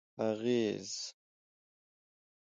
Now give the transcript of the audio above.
اغېز: